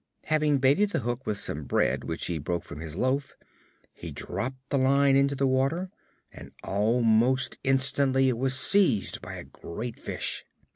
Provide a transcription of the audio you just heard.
Having baited the hook with some bread which he broke from his loaf, he dropped the line into the water and almost instantly it was seized by a great fish.